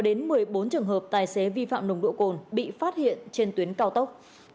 đến một mươi bốn trường hợp tài xế vi phạm nồng độ cồn bị phát hiện trên tuyến cao tốc